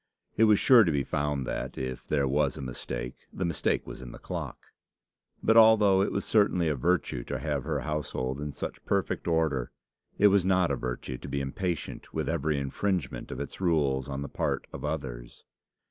It was sure to be found that, if there was a mistake, the mistake was in the clock. But although it was certainly a virtue to have her household in such perfect order, it was not a virtue to be impatient with every infringement of its rules on the part of others.